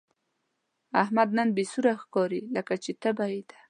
احمد نن بې سوره ښکاري، لکه چې تبه یې ده.